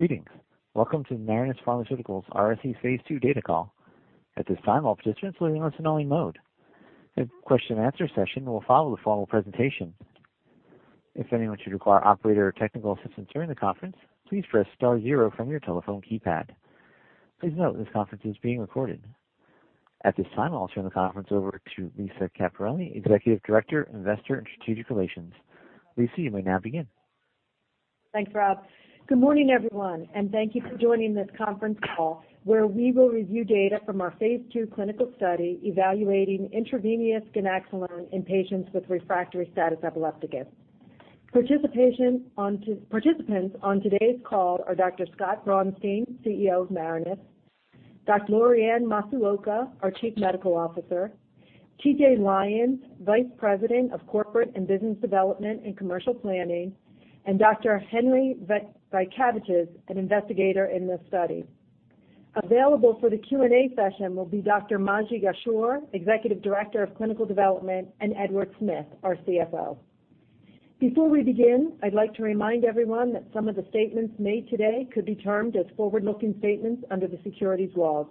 Greetings. Welcome to Marinus Pharmaceuticals' RSE phase II data call. At this time, all participants will be in listen-only mode. A question and answer session will follow the formal presentation. If anyone should require operator or technical assistance during the conference, please press star zero from your telephone keypad. Please note this conference is being recorded. At this time, I'll turn the conference over to Lisa Caperelli, Executive Director, Investor and Strategic Relations. Lisa, you may now begin. Thanks, Rob. Good morning, everyone, and thank you for joining this conference call, where we will review data from our phase II clinical study evaluating intravenous ganaxolone in patients with refractory status epilepticus. Participants on today's call are Dr. Scott Braunstein, CEO of Marinus, Dr. Lorianne Matsuoka, our Chief Medical Officer, T.J. Lyons, Vice President of Corporate and Business Development and Commercial Planning, and Dr. Henry Vaitkevicius, an investigator in this study. Available for the Q&A session will be Dr. Manji Gasior, Executive Director of Clinical Development, and Edward Smith, our CFO. Before we begin, I'd like to remind everyone that some of the statements made today could be termed as forward-looking statements under the securities laws.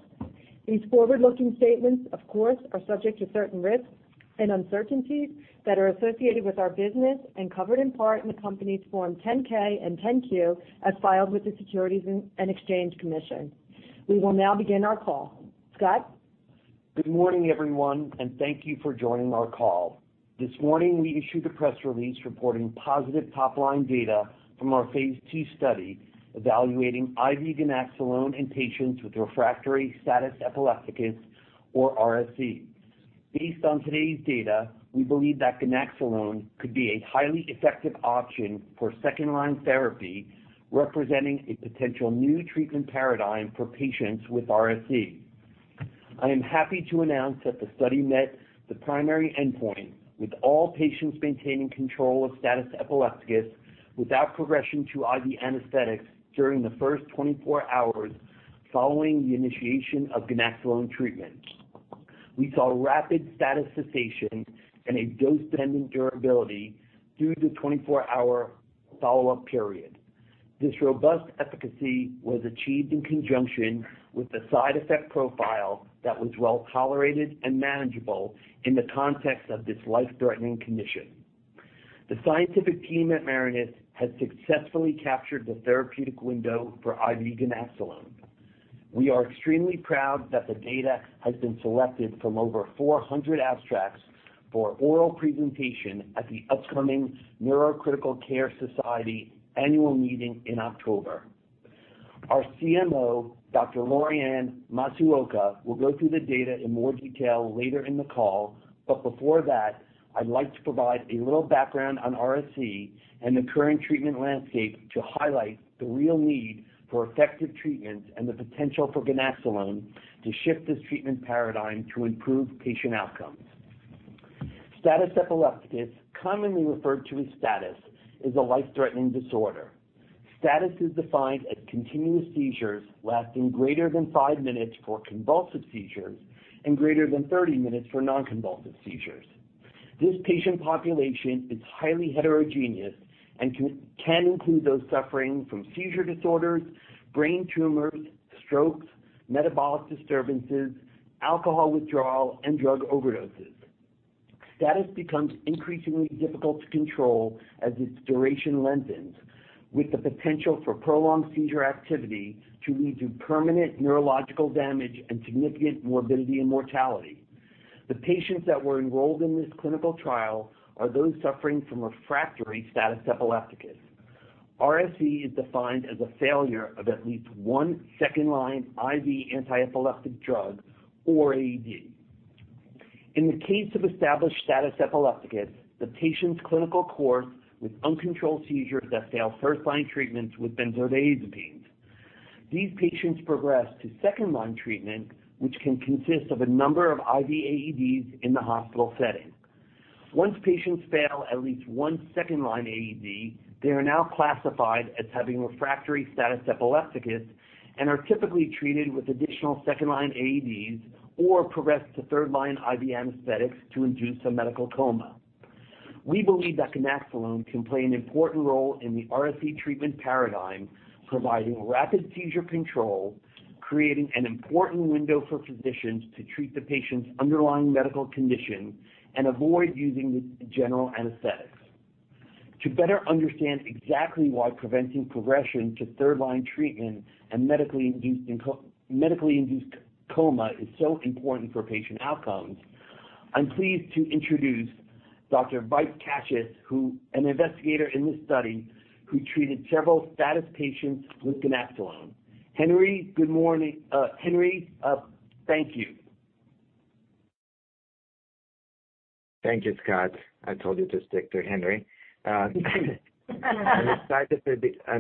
These forward-looking statements, of course, are subject to certain risks and uncertainties that are associated with our business and covered in part in the company's Form 10-K and 10-Q as filed with the Securities and Exchange Commission. We will now begin our call. Scott? Good morning, everyone, and thank you for joining our call. This morning, we issued a press release reporting positive top-line data from our phase II study evaluating IV ganaxolone in patients with refractory status epilepticus, or RSE. Based on today's data, we believe that ganaxolone could be a highly effective option for second-line therapy, representing a potential new treatment paradigm for patients with RSE. I am happy to announce that the study met the primary endpoint, with all patients maintaining control of status epilepticus without progression to IV anesthetics during the first 24 hours following the initiation of ganaxolone treatment. We saw rapid status cessation and a dose-dependent durability through the 24-hour follow-up period. This robust efficacy was achieved in conjunction with a side effect profile that was well-tolerated and manageable in the context of this life-threatening condition. The scientific team at Marinus has successfully captured the therapeutic window for IV ganaxolone. We are extremely proud that the data has been selected from over 400 abstracts for oral presentation at the upcoming Neurocritical Care Society annual meeting in October. Our CMO, Dr. Lorianne Matsuoka, will go through the data in more detail later in the call. Before that, I'd like to provide a little background on RSE and the current treatment landscape to highlight the real need for effective treatments and the potential for ganaxolone to shift this treatment paradigm to improve patient outcomes. Status epilepticus, commonly referred to as status, is a life-threatening disorder. Status is defined as continuous seizures lasting greater than five minutes for convulsive seizures and greater than 30 minutes for non-convulsive seizures. This patient population is highly heterogeneous and can include those suffering from seizure disorders, brain tumors, strokes, metabolic disturbances, alcohol withdrawal, and drug overdoses. Status becomes increasingly difficult to control as its duration lengthens, with the potential for prolonged seizure activity to lead to permanent neurological damage and significant morbidity and mortality. The patients that were enrolled in this clinical trial are those suffering from refractory status epilepticus. RSE is defined as a failure of at least one second-line IV anti-epileptic drug or AED. In the case of established status epilepticus, the patient's clinical course with uncontrolled seizures that fail first-line treatments with benzodiazepines. These patients progress to second-line treatment, which can consist of a number of IV AEDs in the hospital setting. Once patients fail at least one second-line AED, they are now classified as having refractory status epilepticus and are typically treated with additional second-line AEDs or progress to third-line IV anesthetics to induce a medical coma. We believe that ganaxolone can play an important role in the RSE treatment paradigm, providing rapid seizure control, creating an important window for physicians to treat the patient's underlying medical condition, and avoid using general anesthetics. To better understand exactly why preventing progression to third-line treatment and medically induced coma is so important for patient outcomes, I'm pleased to introduce Dr. Vaitkevicius, an investigator in this study who treated several status patients with ganaxolone. Henry, good morning. Henry, thank you. Thank you, Scott. I told you to stick to Henry. I'm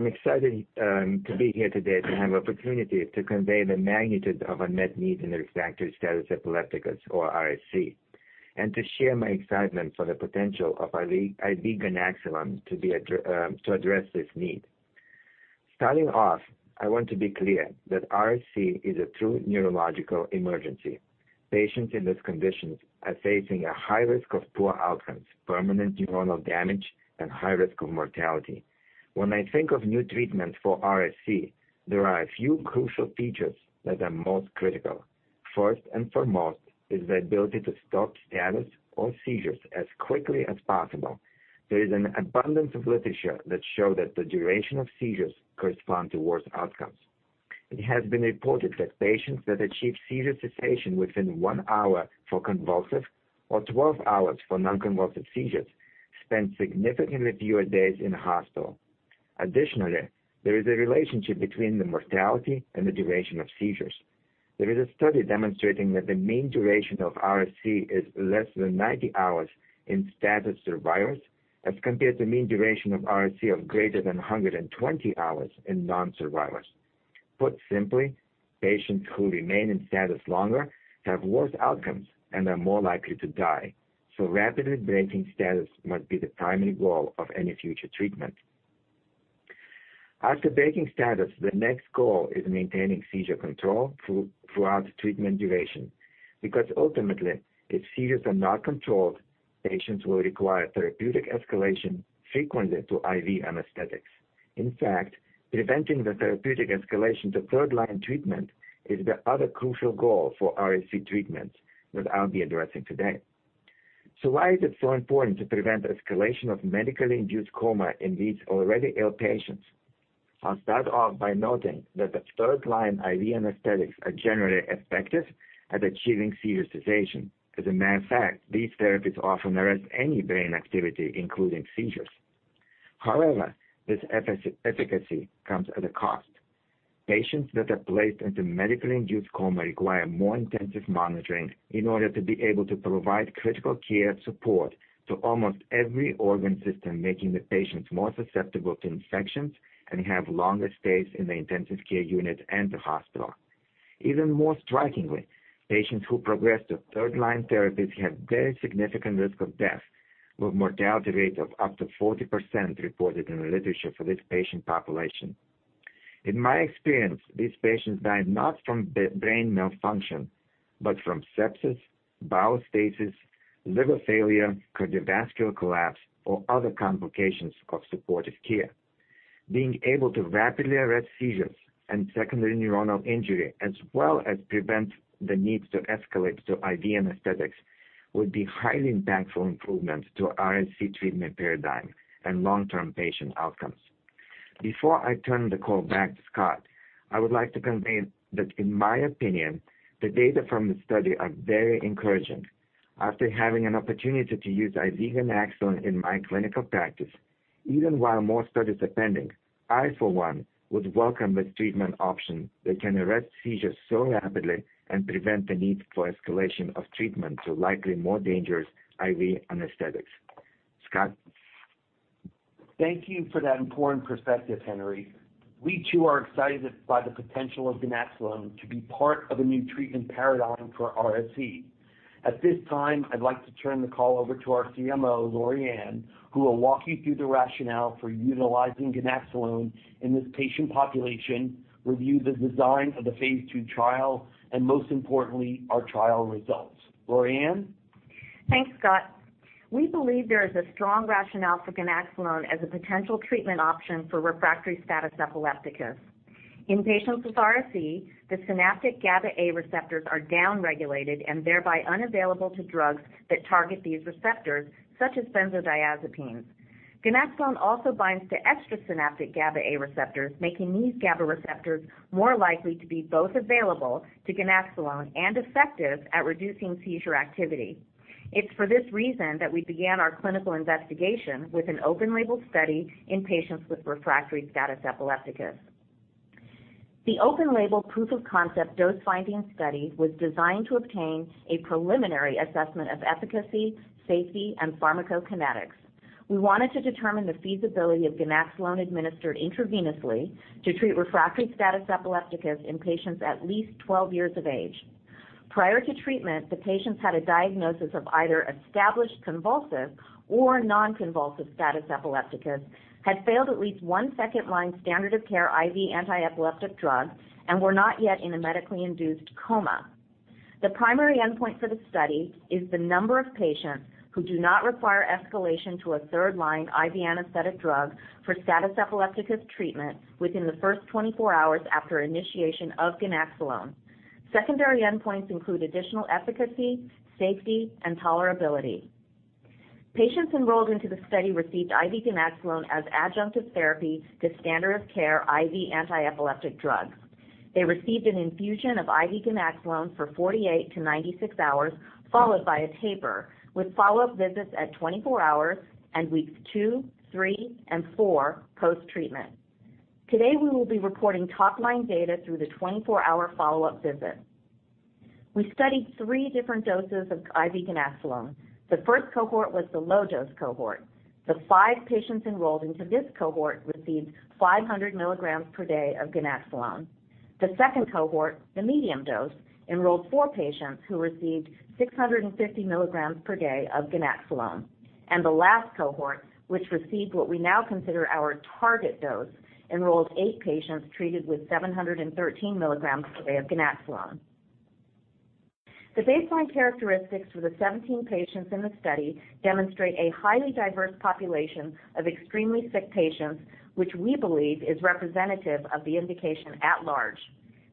excited to be here today to have an opportunity to convey the magnitude of unmet need in refractory status epilepticus or RSE, and to share my excitement for the potential of IV ganaxolone to address this need. I want to be clear that RSE is a true neurological emergency. Patients in these conditions are facing a high risk of poor outcomes, permanent neuronal damage, and high risk of mortality. When I think of new treatments for RSE, there are a few crucial features that are most critical. First and foremost is the ability to stop status or seizures as quickly as possible. There is an abundance of literature that show that the duration of seizures correspond to worse outcomes. It has been reported that patients that achieve seizure cessation within one hour for convulsive or 12 hours for non-convulsive seizures spend significantly fewer days in the hospital. Additionally, there is a relationship between the mortality and the duration of seizures. There is a study demonstrating that the mean duration of RSE is less than 90 hours in status survivors as compared to mean duration of RSE of greater than 120 hours in non-survivors. Put simply, patients who remain in status longer have worse outcomes and are more likely to die. Rapidly breaking status must be the primary goal of any future treatment. After breaking status, the next goal is maintaining seizure control throughout the treatment duration, because ultimately, if seizures are not controlled, patients will require therapeutic escalation frequently to IV anesthetics. In fact, preventing the therapeutic escalation to third-line treatment is the other crucial goal for RSE treatments, which I'll be addressing today. Why is it so important to prevent escalation of medically induced coma in these already ill patients? I'll start off by noting that the third-line IV anesthetics are generally effective at achieving seizure cessation. As a matter of fact, these therapies often arrest any brain activity, including seizures. However, this efficacy comes at a cost. Patients that are placed into medically induced coma require more intensive monitoring in order to be able to provide critical care support to almost every organ system, making the patients more susceptible to infections and have longer stays in the intensive care unit and the hospital. Even more strikingly, patients who progress to third-line therapies have very significant risk of death, with mortality rate of up to 40% reported in the literature for this patient population. In my experience, these patients die not from brain malfunction, but from sepsis, bowel stasis, liver failure, cardiovascular collapse, or other complications of supportive care. Being able to rapidly arrest seizures and secondary neuronal injury as well as prevent the need to escalate to IV anesthetics would be highly impactful improvements to RSE treatment paradigm and long-term patient outcomes. Before I turn the call back to Scott, I would like to convey that, in my opinion, the data from the study are very encouraging. After having an opportunity to use IV ganaxolone in my clinical practice, even while more studies are pending, I, for one, would welcome this treatment option that can arrest seizures so rapidly and prevent the need for escalation of treatment to likely more dangerous IV anesthetics. Scott? Thank you for that important perspective, Henry. We, too, are excited by the potential of ganaxolone to be part of a new treatment paradigm for RSE. At this time, I'd like to turn the call over to our CMO, Lorianne, who will walk you through the rationale for utilizing ganaxolone in this patient population, review the design of the phase II trial, and most importantly, our trial results. Lorianne? Thanks, Scott. We believe there is a strong rationale for ganaxolone as a potential treatment option for refractory status epilepticus. In patients with RSE, the synaptic GABA A receptors are downregulated and thereby unavailable to drugs that target these receptors, such as benzodiazepines. ganaxolone also binds to extrasynaptic GABA A receptors, making these GABA receptors more likely to be both available to ganaxolone and effective at reducing seizure activity. It's for this reason that we began our clinical investigation with an open-label study in patients with refractory status epilepticus. The open-label proof-of-concept dose-finding study was designed to obtain a preliminary assessment of efficacy, safety, and pharmacokinetics. We wanted to determine the feasibility of ganaxolone administered intravenously to treat refractory status epilepticus in patients at least 12 years of age. Prior to treatment, the patients had a diagnosis of either established convulsive or non-convulsive status epilepticus, had failed at least one second-line standard of care IV anti-epileptic drug, and were not yet in a medically induced coma. The primary endpoint for the study is the number of patients who do not require escalation to a third-line IV anesthetic drug for status epilepticus treatment within the first 24 hours after initiation of Ganaxolone. Secondary endpoints include additional efficacy, safety, and tolerability. Patients enrolled into the study received IV Ganaxolone as adjunctive therapy to standard of care IV anti-epileptic drugs. They received an infusion of IV Ganaxolone for 48 to 96 hours, followed by a taper, with follow-up visits at 24 hours and weeks two, three, and four post-treatment. Today, we will be reporting top-line data through the 24-hour follow-up visit. We studied three different doses of IV Ganaxolone. The first cohort was the low-dose cohort. The five patients enrolled into this cohort received 500 milligrams per day of ganaxolone. The second cohort, the medium dose, enrolled four patients who received 650 milligrams per day of ganaxolone. The last cohort, which received what we now consider our target dose, enrolled eight patients treated with 713 milligrams per day of ganaxolone. The baseline characteristics for the 17 patients in the study demonstrate a highly diverse population of extremely sick patients, which we believe is representative of the indication at large.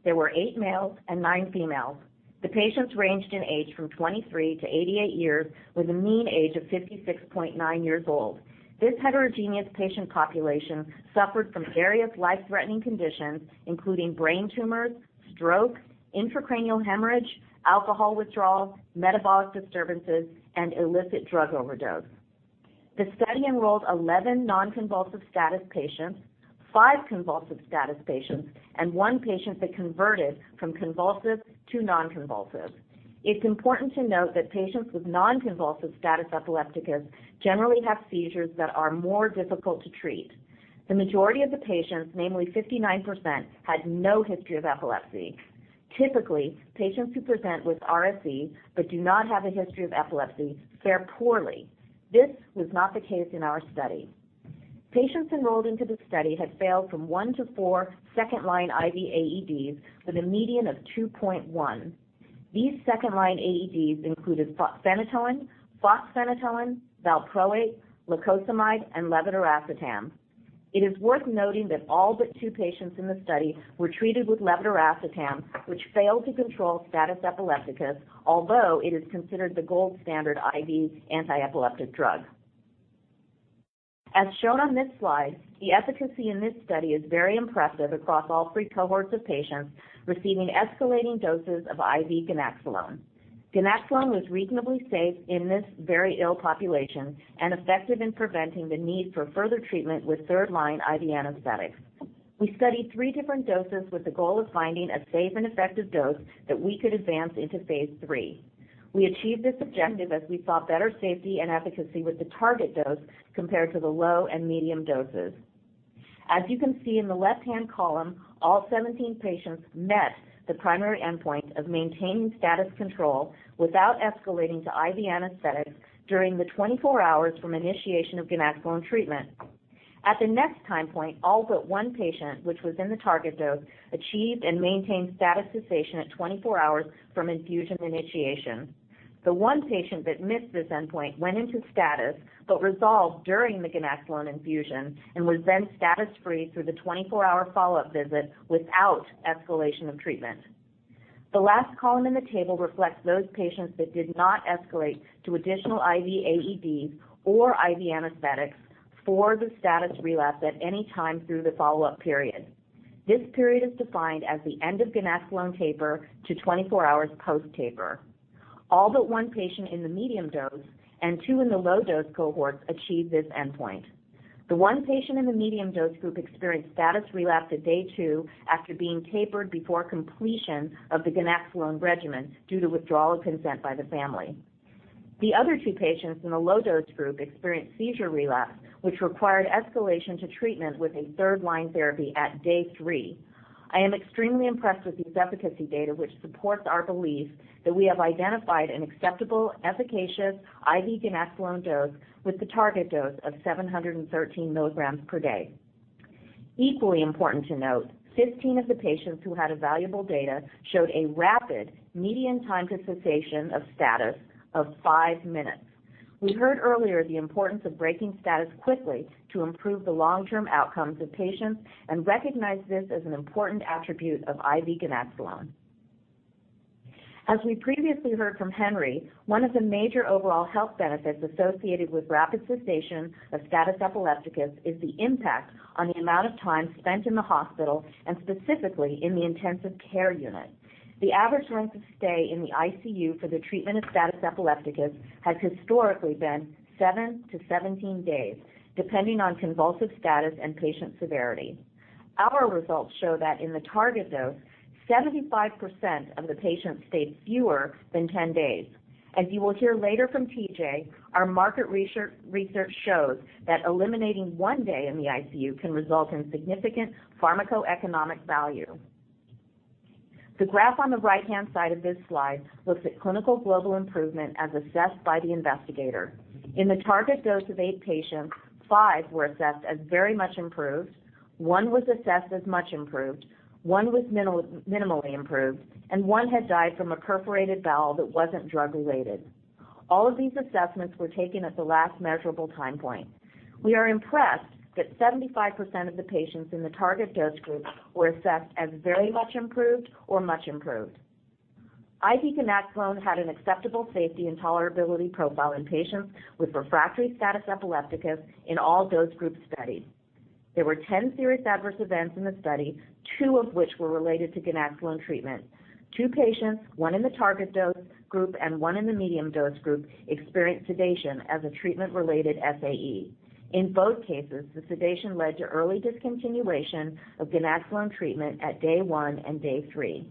There were eight males and nine females. The patients ranged in age from 23 to 88 years, with a mean age of 56.9 years old. This heterogeneous patient population suffered from various life-threatening conditions, including brain tumors, stroke, intracranial hemorrhage, alcohol withdrawal, metabolic disturbances, and illicit drug overdose. The study enrolled 11 non-convulsive status patients, five convulsive status patients, and one patient that converted from convulsive to non-convulsive. It is important to note that patients with non-convulsive status epilepticus generally have seizures that are more difficult to treat. The majority of the patients, namely 59%, had no history of epilepsy. Typically, patients who present with RSE but do not have a history of epilepsy fare poorly. This was not the case in our study. Patients enrolled into the study had failed from one to four second line IV AEDs with a median of 2.1. These second-line AEDs included phenytoin, fosphenytoin, valproate, lacosamide, and levetiracetam. It is worth noting that all but two patients in the study were treated with levetiracetam, which failed to control status epilepticus, although it is considered the gold standard IV anti-epileptic drug. As shown on this slide, the efficacy in this study is very impressive across all 3 cohorts of patients receiving escalating doses of IV ganaxolone. ganaxolone was reasonably safe in this very ill population and effective in preventing the need for further treatment with third-line IV anesthetics. We studied 3 different doses with the goal of finding a safe and effective dose that we could advance into phase III. We achieved this objective as we saw better safety and efficacy with the target dose compared to the low and medium doses. As you can see in the left-hand column, all 17 patients met the primary endpoint of maintaining status control without escalating to IV anesthetics during the 24 hours from initiation of ganaxolone treatment. At the next time point, all but one patient, which was in the target dose, achieved and maintained status cessation at 24 hours from infusion initiation. The one patient that missed this endpoint went into status but resolved during the ganaxolone infusion and was then status-free through the 24-hour follow-up visit without escalation of treatment. The last column in the table reflects those patients that did not escalate to additional IV AEDs or IV anesthetics for the status relapse at any time through the follow-up period. This period is defined as the end of ganaxolone taper to 24 hours post-taper. All but one patient in the medium dose and two in the low-dose cohorts achieved this endpoint. The one patient in the medium dose group experienced status relapse at day two after being tapered before completion of the ganaxolone regimen due to withdrawal of consent by the family. The other two patients in the low-dose group experienced seizure relapse, which required escalation to treatment with a third-line therapy at day three. I am extremely impressed with these efficacy data, which supports our belief that we have identified an acceptable efficacious IV ganaxolone dose with the target dose of 713 milligrams per day. Equally important to note, 15 of the patients who had valuable data showed a rapid median time to cessation of status of five minutes. We heard earlier the importance of breaking status quickly to improve the long-term outcomes of patients and recognize this as an important attribute of IV ganaxolone. As we previously heard from Henry, one of the major overall health benefits associated with rapid cessation of status epilepticus is the impact on the amount of time spent in the hospital and specifically in the intensive care unit. The average length of stay in the ICU for the treatment of status epilepticus has historically been seven to 17 days, depending on convulsive status and patient severity. Our results show that in the target dose, 75% of the patients stayed fewer than 10 days. As you will hear later from TJ, our market research shows that eliminating one day in the ICU can result in significant pharmacoeconomic value. The graph on the right-hand side of this slide looks at clinical global improvement as assessed by the investigator. In the target dose of eight patients, five were assessed as very much improved, one was assessed as much improved, one was minimally improved, and one had died from a perforated bowel that wasn't drug-related. All of these assessments were taken at the last measurable time point. We are impressed that 75% of the patients in the target dose group were assessed as very much improved or much improved. IV ganaxolone had an acceptable safety and tolerability profile in patients with refractory status epilepticus in all dose group studies. There were 10 serious adverse events in the study, two of which were related to ganaxolone treatment. Two patients, one in the target dose group and one in the medium dose group, experienced sedation as a treatment-related SAE. In both cases, the sedation led to early discontinuation of ganaxolone treatment at day one and day three.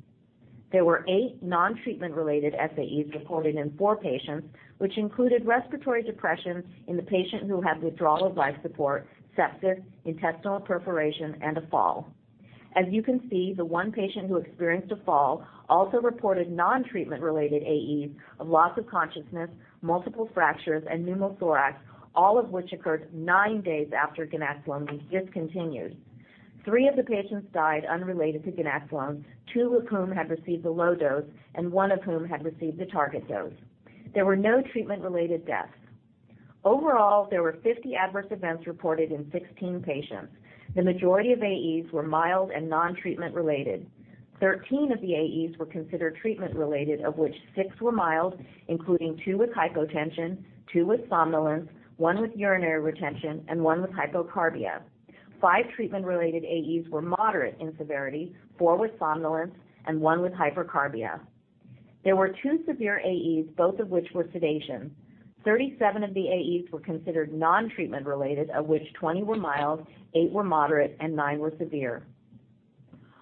There were eight non-treatment related SAEs reported in four patients, which included respiratory depression in the patient who had withdrawal of life support, sepsis, intestinal perforation, and a fall. As you can see, the one patient who experienced a fall also reported non-treatment related AEs of loss of consciousness, multiple fractures, and pneumothorax, all of which occurred nine days after ganaxolone was discontinued. Three of the patients died unrelated to ganaxolone, two of whom had received the low dose, and one of whom had received the target dose. There were no treatment-related deaths. Overall, there were 50 adverse events reported in 16 patients. The majority of AEs were mild and non-treatment related. 13 of the AEs were considered treatment related, of which six were mild, including two with hypotension, two with somnolence, one with urinary retention, and one with hypocarbia. Five treatment-related AEs were moderate in severity, four with somnolence and one with hypercarbia. There were two severe AEs, both of which were sedation. 37 of the AEs were considered non-treatment related, of which 20 were mild, eight were moderate, and nine were severe.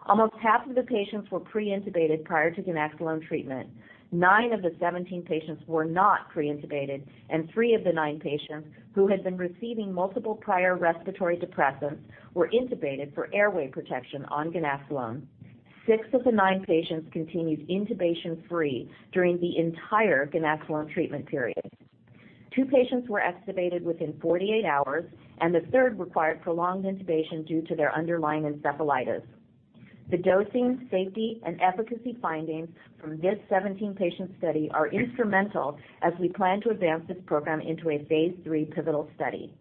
Almost half of the patients were pre-intubated prior to ganaxolone treatment. Nine of the 17 patients were not pre-intubated, and three of the nine patients who had been receiving multiple prior respiratory depressants were intubated for airway protection on ganaxolone. Six of the nine patients continued intubation-free during the entire ganaxolone treatment period. Two patients were extubated within 48 hours, and the third required prolonged intubation due to their underlying encephalitis. The dosing, safety, and efficacy findings from this 17-patient study are instrumental as we plan to advance this program into a phase III pivotal study.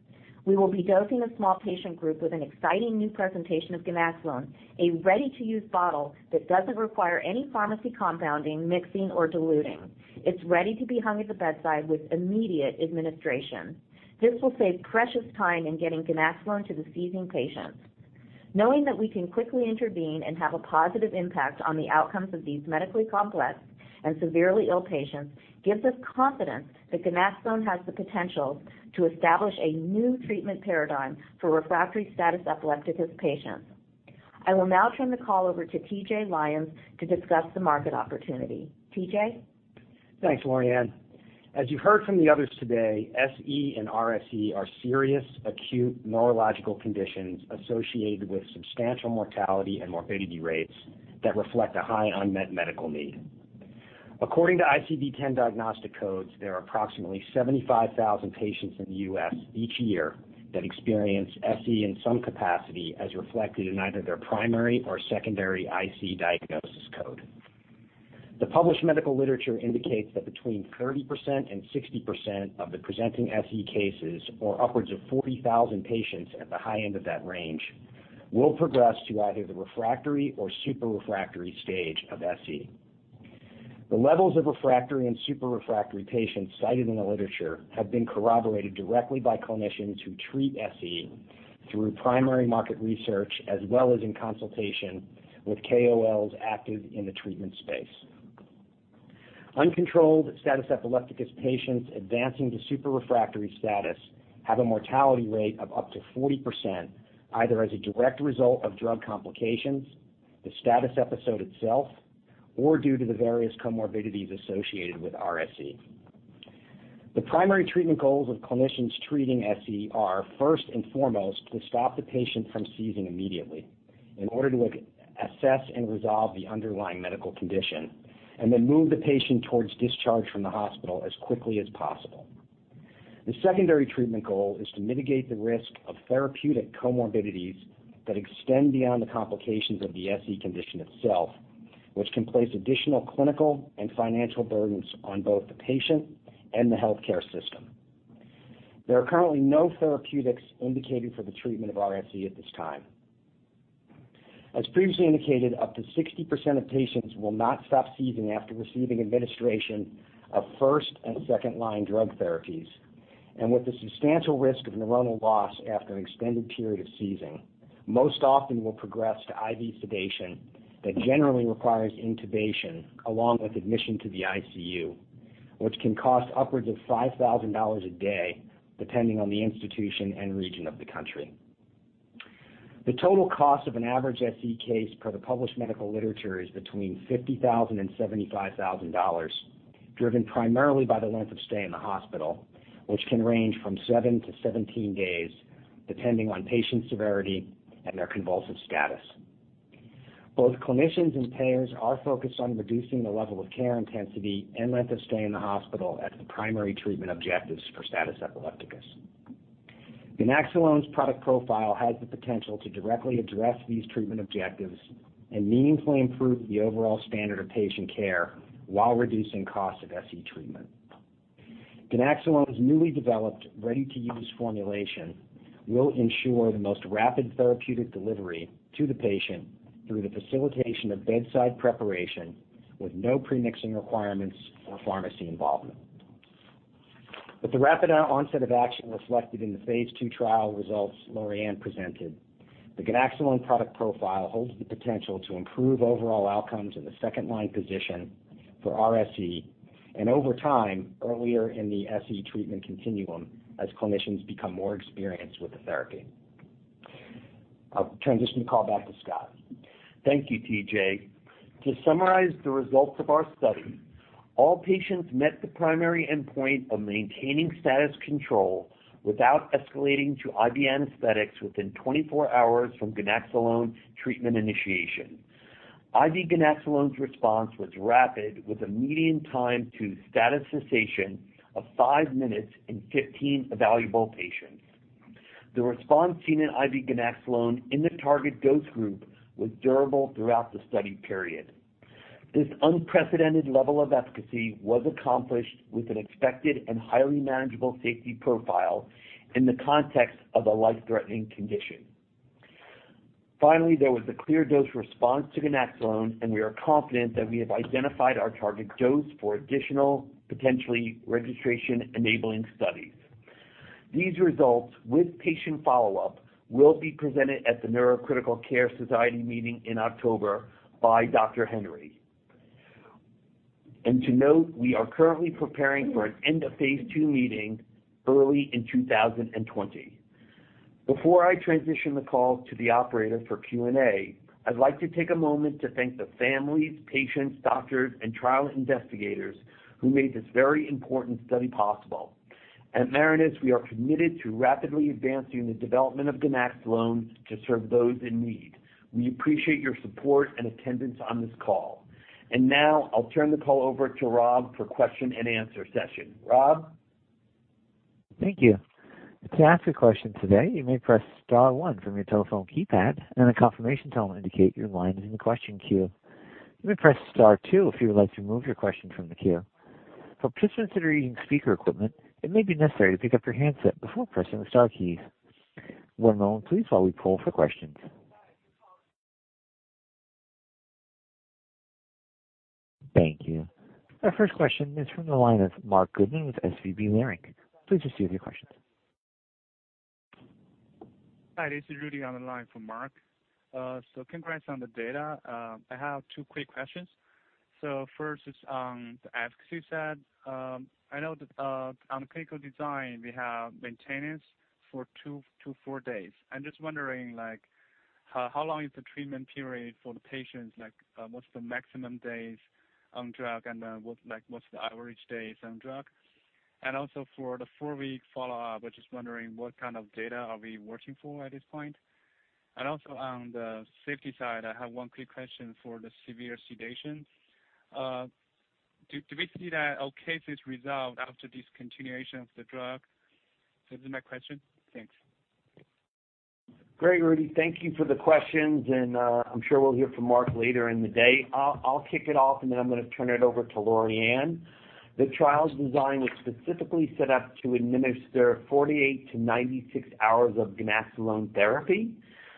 We will be dosing a small patient group with an exciting new presentation of ganaxolone, a ready-to-use bottle that doesn't require any pharmacy compounding, mixing, or diluting. It's ready to be hung at the bedside with immediate administration. This will save precious time in getting ganaxolone to the seizing patients. Knowing that we can quickly intervene and have a positive impact on the outcomes of these medically complex and severely ill patients gives us confidence that ganaxolone has the potential to establish a new treatment paradigm for refractory status epilepticus patients. I will now turn the call over to T.J. Lyons to discuss the market opportunity. T.J.? Thanks, Lorianne. As you heard from the others today, SE and RSE are serious acute neurological conditions associated with substantial mortality and morbidity rates that reflect a high unmet medical need. According to ICD-10 diagnostic codes, there are approximately 75,000 patients in the U.S. each year that experience SE in some capacity as reflected in either their primary or secondary IC diagnosis code. The published medical literature indicates that between 30%-60% of the presenting SE cases, or upwards of 40,000 patients at the high end of that range, will progress to either the refractory or super refractory stage of SE. The levels of refractory and super refractory patients cited in the literature have been corroborated directly by clinicians who treat SE through primary market research as well as in consultation with KOLs active in the treatment space. Uncontrolled status epilepticus patients advancing to super refractory status have a mortality rate of up to 40%, either as a direct result of drug complications, the status episode itself, or due to the various comorbidities associated with RSE. The primary treatment goals of clinicians treating SE are first and foremost to stop the patient from seizing immediately in order to assess and resolve the underlying medical condition, and then move the patient towards discharge from the hospital as quickly as possible. The secondary treatment goal is to mitigate the risk of therapeutic comorbidities that extend beyond the complications of the SE condition itself, which can place additional clinical and financial burdens on both the patient and the healthcare system. There are currently no therapeutics indicated for the treatment of RSE at this time. As previously indicated, up to 60% of patients will not stop seizing after receiving administration of first- and second-line drug therapies. With the substantial risk of neuronal loss after an extended period of seizing, most often will progress to IV sedation that generally requires intubation along with admission to the ICU, which can cost upwards of $5,000 a day depending on the institution and region of the country. The total cost of an average SE case per the published medical literature is between $50,000 and $75,000, driven primarily by the length of stay in the hospital, which can range from 7-17 days depending on patient severity and their convulsive status. Both clinicians and payers are focused on reducing the level of care intensity and length of stay in the hospital as the primary treatment objectives for status epilepticus. ganaxolone's product profile has the potential to directly address these treatment objectives and meaningfully improve the overall standard of patient care while reducing costs of SE treatment. ganaxolone's newly developed ready-to-use formulation will ensure the most rapid therapeutic delivery to the patient through the facilitation of bedside preparation with no premixing requirements or pharmacy involvement. With the rapid onset of action reflected in the phase II trial results Lorianne presented, the ganaxolone product profile holds the potential to improve overall outcomes in the second-line position for RSE and over time, earlier in the SE treatment continuum as clinicians become more experienced with the therapy. I'll transition the call back to Scott. Thank you, T.J. To summarize the results of our study, all patients met the primary endpoint of maintaining status control without escalating to IV anesthetics within 24 hours from ganaxolone treatment initiation. IV ganaxolone's response was rapid, with a median time to status cessation of five minutes in 15 evaluable patients. The response seen in IV ganaxolone in the target dose group was durable throughout the study period. This unprecedented level of efficacy was accomplished with an expected and highly manageable safety profile in the context of a life-threatening condition. Finally, there was a clear dose response to ganaxolone, and we are confident that we have identified our target dose for additional, potentially registration-enabling studies. These results with patient follow-up will be presented at the Neurocritical Care Society meeting in October by Dr. Henry. To note, we are currently preparing for an end of phase II meeting early in 2020. Before I transition the call to the operator for Q&A, I'd like to take a moment to thank the families, patients, doctors, and trial investigators who made this very important study possible. At Marinus, we are committed to rapidly advancing the development of ganaxolone to serve those in need. We appreciate your support and attendance on this call. Now I'll turn the call over to Rob for question and answer session. Rob? Thank you. To ask a question today, you may press star one from your telephone keypad, and a confirmation tone will indicate your line is in the question queue. You may press star two if you would like to remove your question from the queue. For participants that are using speaker equipment, it may be necessary to pick up your handset before pressing the star keys. One moment please while we poll for questions. Thank you. Our first question is from the line of Marc Goodman with SVB Leerink. Please proceed with your questions. Hi, this is Rudy on the line for Marc. Congrats on the data. I have two quick questions. First, on the efficacy side, I know that on the clinical design we have maintenance for two to four days. I'm just wondering how long is the treatment period for the patients? What's the maximum days on drug and what's the average days on drug? Also for the four-week follow-up, I was just wondering what kind of data are we watching for at this point? Also on the safety side, I have one quick question for the severe sedation. Do we see that our case is resolved after discontinuation of the drug? This is my question. Thanks. Great, Rudy. Thank you for the questions. I'm sure we'll hear from Marc later in the day. I'll kick it off. I'm going to turn it over to Lorianne. The trial's design was specifically set up to administer 48 to 96 hours of ganaxolone therapy.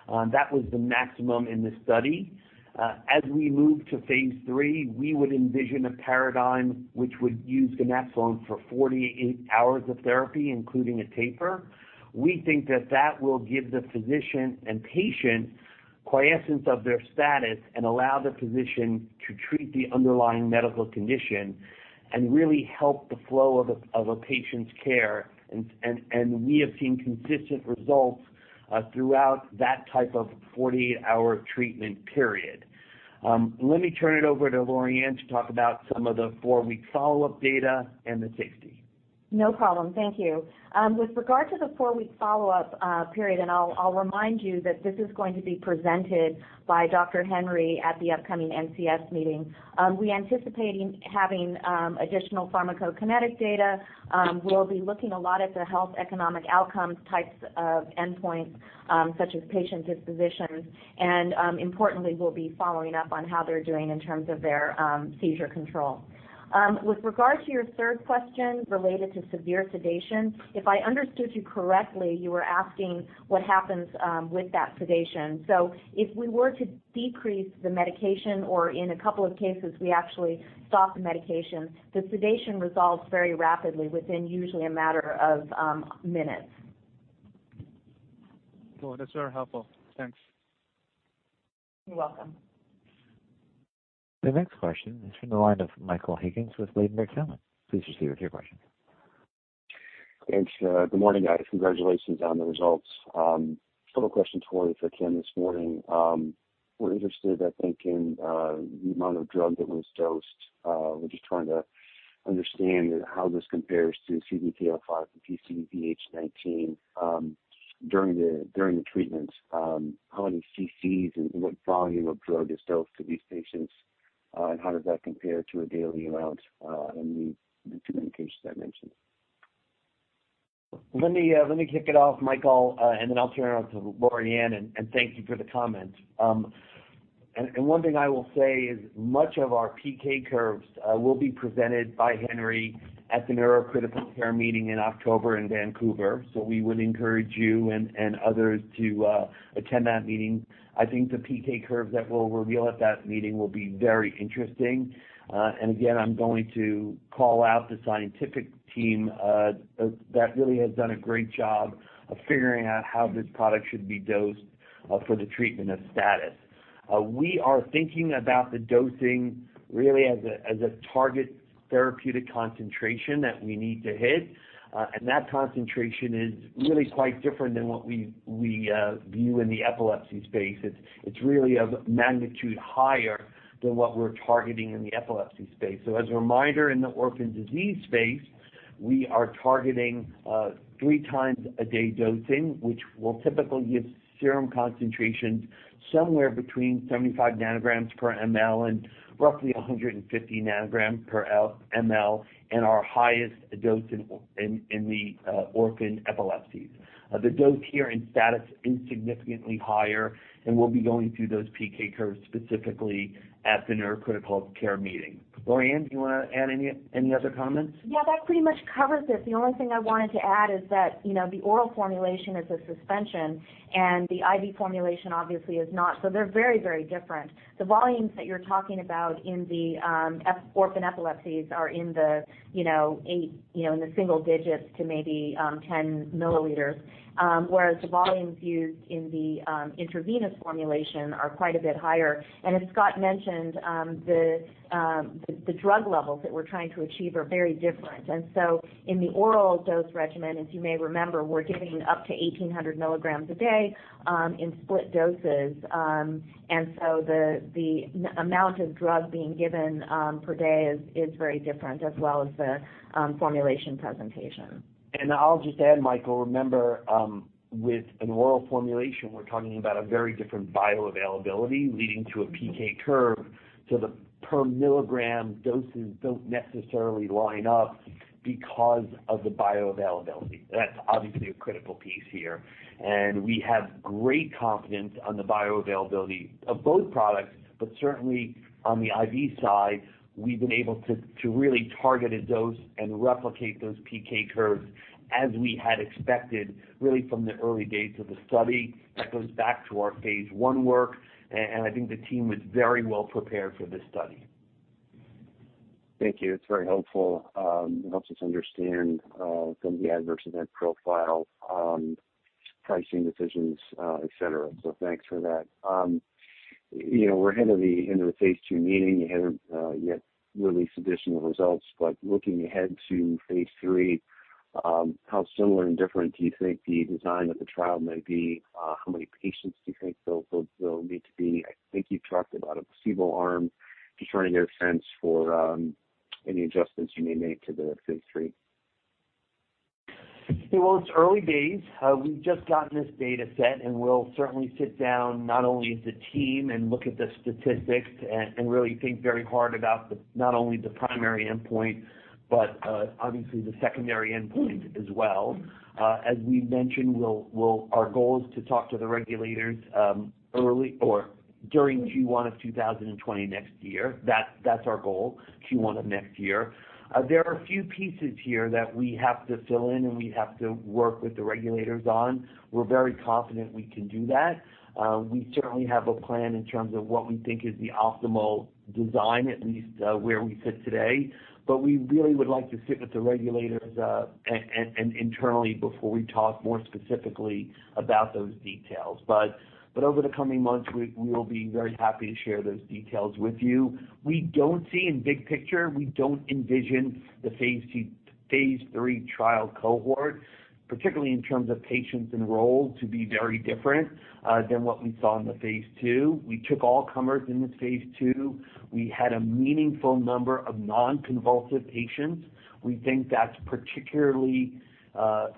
That was the maximum in the study. As we move to phase III, we would envision a paradigm which would use ganaxolone for 48 hours of therapy, including a taper. We think that that will give the physician and patient quiescence of their status and allow the physician to treat the underlying medical condition and really help the flow of a patient's care. We have seen consistent results throughout that type of 48-hour treatment period. Let me turn it over to Lorianne to talk about some of the four-week follow-up data and the safety. No problem. Thank you. With regard to the four-week follow-up period, I'll remind you that this is going to be presented by Dr. Henry at the upcoming NCS meeting. We're anticipating having additional pharmacokinetic data. We'll be looking a lot at the health economic outcomes types of endpoints, such as patient dispositions, and importantly, we'll be following up on how they're doing in terms of their seizure control. With regard to your third question related to severe sedation, if I understood you correctly, you were asking what happens with that sedation. If we were to decrease the medication or in a couple of cases we actually stop the medication, the sedation resolves very rapidly within usually a matter of minutes. Cool. That's very helpful. Thanks. You're welcome. The next question is from the line of Michael Higgins with Ladenburg Thalmann. Please proceed with your question. Thanks. Good morning, guys. Congratulations on the results. A couple questions for you, for Tim this morning. We're interested, I think, in the amount of drug that was dosed. We're just trying to understand how this compares to CBD-TR05 and PCDH19 during the treatments. How many cc's and what volume of drug is dosed to these patients, and how does that compare to a daily amount in the two indications I mentioned? Let me kick it off, Michael, then I'll turn it over to Lorianne, and thank you for the comment. One thing I will say is much of our PK curves will be presented by Henry at the Neurocritical Care meeting in October in Vancouver. We would encourage you and others to attend that meeting. I think the PK curves that we'll reveal at that meeting will be very interesting. Again, I'm going to call out the scientific team that really has done a great job of figuring out how this product should be dosed for the treatment of status. We are thinking about the dosing really as a target therapeutic concentration that we need to hit. That concentration is really quite different than what we view in the epilepsy space. It's really of magnitude higher than what we're targeting in the epilepsy space. As a reminder, in the orphan disease space, we are targeting three times a day dosing, which will typically give serum concentrations somewhere between 75 nanograms per mL and roughly 150 nanograms per mL in our highest dose in the orphan epilepsies. The dose here in status is significantly higher, and we'll be going through those PK curves specifically at the Neurocritical Care meeting. Lorianne, do you want to add any other comments? Yeah, that pretty much covers it. The only thing I wanted to add is that the oral formulation is a suspension and the IV formulation obviously is not. They're very different. The volumes that you're talking about in the orphan epilepsies are in the single digits to maybe 10 milliliters. Whereas the volumes used in the intravenous formulation are quite a bit higher. As Scott mentioned, the drug levels that we're trying to achieve are very different. In the oral dose regimen, as you may remember, we're giving up to 1,800 milligrams a day in split doses. The amount of drug being given per day is very different as well as the formulation presentation. I'll just add, Michael, remember with an oral formulation, we're talking about a very different bioavailability leading to a PK curve. The per milligram doses don't necessarily line up because of the bioavailability. That's obviously a critical piece here. We have great confidence on the bioavailability of both products, but certainly on the IV side, we've been able to really target a dose and replicate those PK curves as we had expected, really from the early days of the study. That goes back to our phase I work, and I think the team was very well prepared for this study. Thank you. It's very helpful. It helps us understand some of the adverse event profile, pricing decisions, et cetera. Thanks for that. We're ahead of the end of the phase II meeting. You haven't yet released additional results. Looking ahead to phase III, how similar and different do you think the design of the trial may be? How many patients do you think they'll need to be? I think you've talked about a placebo arm. Just trying to get a sense for any adjustments you may make to the phase III. Well, it's early days. We've just gotten this data set, and we'll certainly sit down not only as a team and look at the statistics and really think very hard about not only the primary endpoint, but obviously the secondary endpoint as well. As we've mentioned, our goal is to talk to the regulators early or during Q1 of 2020 next year. That's our goal, Q1 of next year. There are a few pieces here that we have to fill in, and we have to work with the regulators on. We're very confident we can do that. We certainly have a plan in terms of what we think is the optimal design, at least where we sit today. But we really would like to sit with the regulators and internally before we talk more specifically about those details. Over the coming months, we will be very happy to share those details with you. In big picture, we don't envision the phase III trial cohort, particularly in terms of patients enrolled, to be very different than what we saw in the phase II. We took all comers in the phase II. We had a meaningful number of non-convulsive patients. We think that's particularly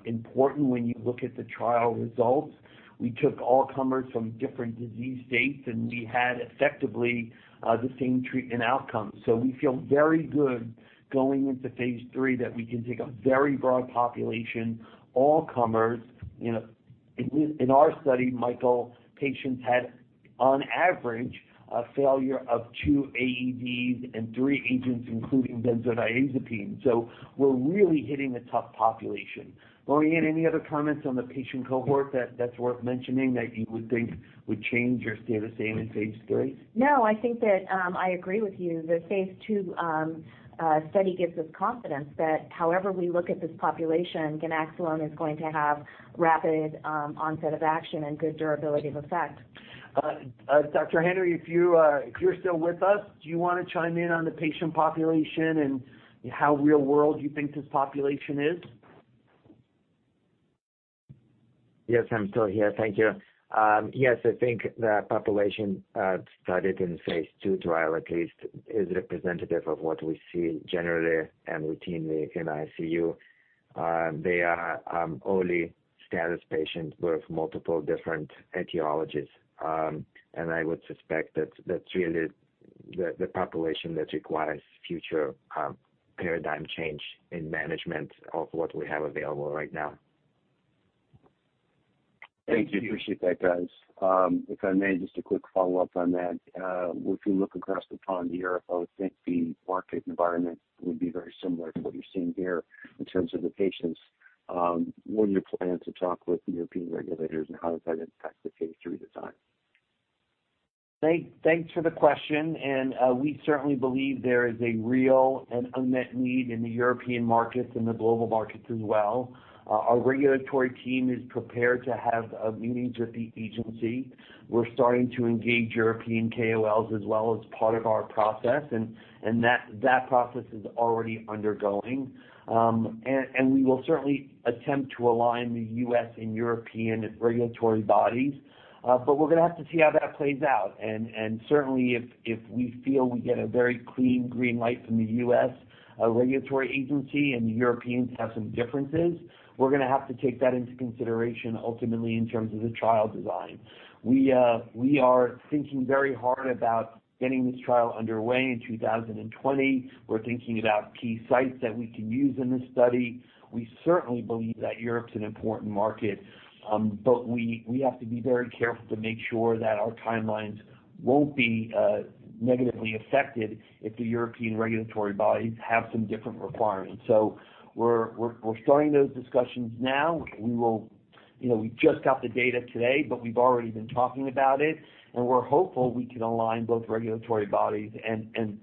important when you look at the trial results. We took all comers from different disease states, and we had effectively the same treatment outcomes. We feel very good going into phase III that we can take a very broad population, all comers. In our study, Michael, patients had, on average, a failure of two AEDs and three agents, including benzodiazepine. We're really hitting a tough population. Lorianne, any other comments on the patient cohort that's worth mentioning that you would think would change or stay the same in phase III? No, I think that I agree with you. The phase II study gives us confidence that however we look at this population, ganaxolone is going to have rapid onset of action and good durability of effect. Dr. Henry, if you're still with us, do you want to chime in on the patient population and how real-world you think this population is? Yes, I'm still here. Thank you. Yes, I think the population studied in the phase II trial at least is representative of what we see generally and routinely in ICU. They are only status patients with multiple different etiologies. I would suspect that's really the population that requires future paradigm change in management of what we have available right now. Thank you. Appreciate that, guys. If I may, just a quick follow-up on that. If you look across the pond here, I would think the market environment would be very similar to what you're seeing here in terms of the patients. What are your plans to talk with European regulators, and how does that impact the phase III design? Thanks for the question. We certainly believe there is a real and unmet need in the European markets and the global markets as well. Our regulatory team is prepared to have meetings with the agency. We're starting to engage European KOLs as well as part of our process, and that process is already undergoing. We will certainly attempt to align the U.S. and European regulatory bodies. We're going to have to see how that plays out. Certainly, if we feel we get a very clean green light from the U.S. regulatory agency, and the Europeans have some differences, we're going to have to take that into consideration ultimately in terms of the trial design. We are thinking very hard about getting this trial underway in 2020. We're thinking about key sites that we can use in this study. We certainly believe that Europe is an important market. We have to be very careful to make sure that our timelines won't be negatively affected if the European regulatory bodies have some different requirements. We're starting those discussions now. We just got the data today, but we've already been talking about it, and we're hopeful we can align both regulatory bodies and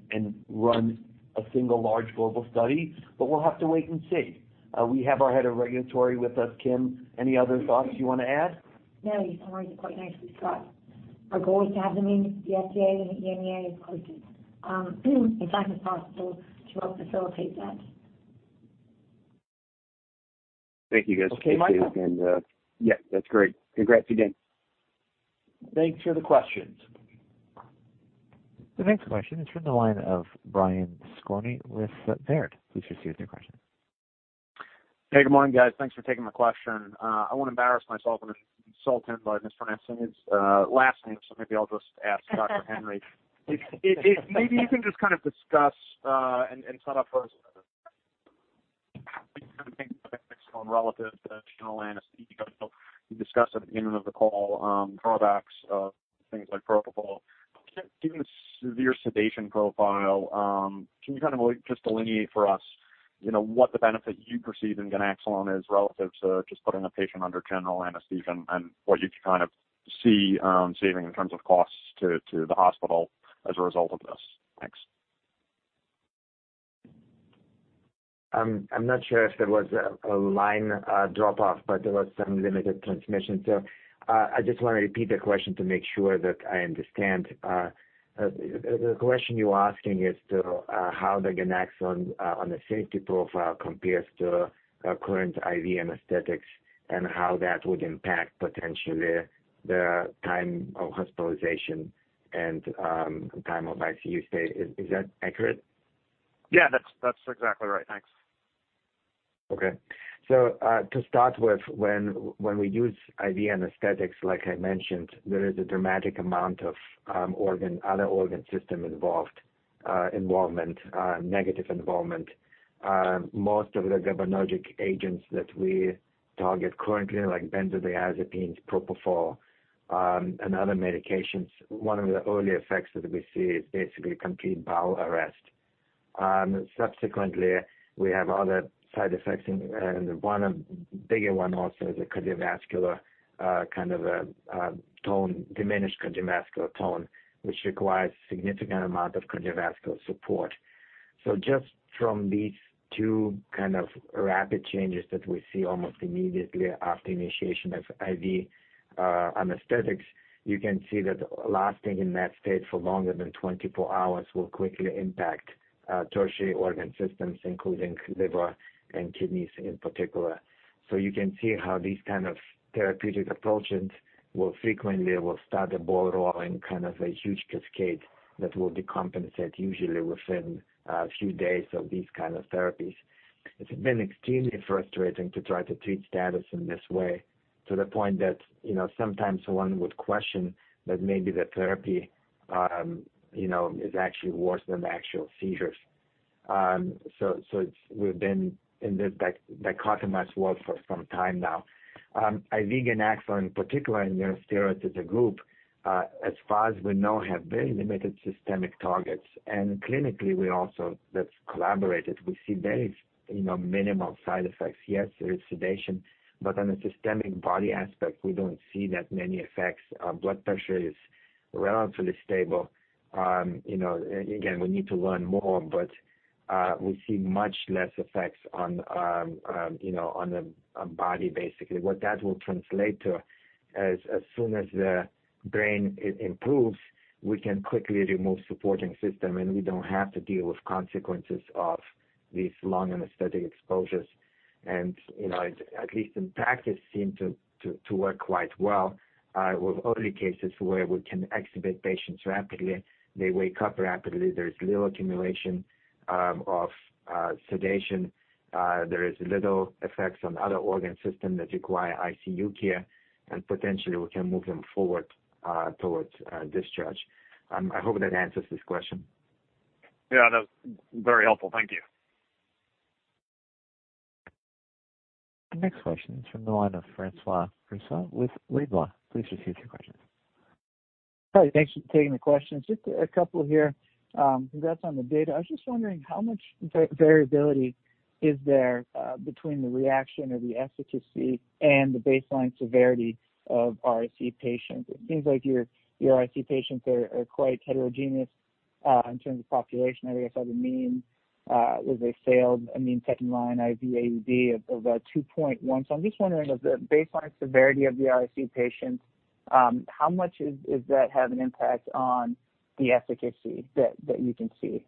run a single large global study. We'll have to wait and see. We have our head of regulatory with us. Kim, any other thoughts you want to add? No, you summarized it quite nicely, Scott. Our goal is to have them in the FDA and the EMA as closely as fast as possible to help facilitate that. Thank you guys. Okay, Michael? Yeah, that's great. Congrats again. Thanks for the questions. The next question is from the line of Brian Skorney with Baird. Please proceed with your question. Good morning, guys. Thanks for taking the question. I won't embarrass myself or the consultant by mispronouncing his last name, so maybe I'll just ask Dr. Henry. Maybe you can just kind of discuss and set up for us relative to general anesthesia because you discussed at the beginning of the call drawbacks of things like propofol. Given the severe sedation profile, can you kind of just delineate for us what the benefit you perceive in ganaxolone is relative to just putting a patient under general anesthesia and what you kind of see saving in terms of costs to the hospital as a result of this? Thanks. I'm not sure if there was a line drop-off, but there was some limited transmission. I just want to repeat the question to make sure that I understand. The question you're asking is how the ganaxolone on the safety profile compares to current IV anesthetics and how that would impact potentially the time of hospitalization and time of ICU stay. Is that accurate? Yeah, that's exactly right. Thanks. Okay. To start with, when we use IV anesthetics, like I mentioned, there is a dramatic amount of other organ system involvement, negative involvement. Most of the GABAergic agents that we target currently, like benzodiazepines, propofol, and other medications, one of the early effects that we see is basically complete bowel arrest. Subsequently, we have other side effects, and one of the bigger ones also is a diminished cardiovascular tone, which requires a significant amount of cardiovascular support. Just from these two kind of rapid changes that we see almost immediately after initiation of IV anesthetics, you can see that lasting in that state for longer than 24 hours will quickly impact tertiary organ systems, including liver and kidneys in particular. You can see how these kind of therapeutic approaches will frequently start a ball rolling, kind of a huge cascade that will decompensate usually within a few days of these kind of therapies. It's been extremely frustrating to try to treat status in this way to the point that sometimes one would question that maybe the therapy is actually worse than the actual seizures. We've been in that dichotomous world for some time now. IV ganaxolone, particularly in neurosteroids, as a group, as far as we know, have very limited systemic targets. Clinically, we also have collaborated. We see very minimal side effects. Yes, there is sedation, but on a systemic body aspect, we don't see that many effects. Blood pressure is relatively stable. Again, we need to learn more, but we see much less effects on the body, basically. What that will translate to, as soon as the brain improves, we can quickly remove supporting system, and we don't have to deal with consequences of these long anesthetic exposures. At least in practice, seem to work quite well with early cases where we can extubate patients rapidly. They wake up rapidly. There is little accumulation of sedation. There is little effects on other organ system that require ICU care, and potentially we can move them forward towards discharge. I hope that answers this question. Yeah, that was very helpful. Thank you. The next question is from the line of François Rousseau with Ledgeda. Please proceed with your question. Hi, thanks for taking the question. Just a couple here. Congrats on the data. I was just wondering how much variability. Is there between the reaction or the efficacy and the baseline severity of RSE patients? It seems like your RSE patients are quite heterogeneous in terms of population. I saw the mean was a failed immune tech line IV AED of 2.1. I'm just wondering, of the baseline severity of the RSE patients, how much does that have an impact on the efficacy that you can see?